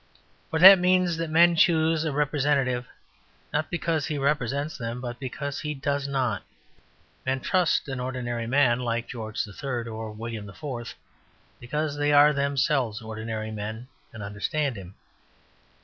For that means that men choose a representative, not because he represents them, but because he does not. Men trust an ordinary man like George III or William IV. because they are themselves ordinary men and understand him.